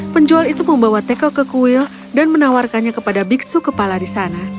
penjual itu membawa teko ke kuil dan menawarkannya kepada biksu kepala di sana